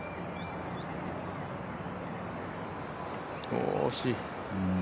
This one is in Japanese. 惜しい。